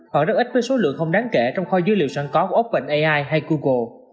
còn rất ít với số lượng không đáng kể trong kho dữ liệu sản có của openai hay google